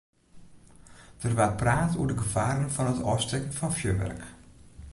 Der waard praat oer de gefaren fan it ôfstekken fan fjurwurk.